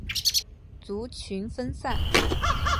族群分散。